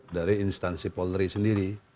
dari instansi polri sendiri